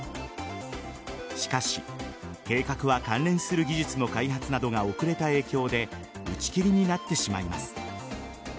しかし、計画は関連する技術の開発などが遅れた影響で打ち切りになってしまいます。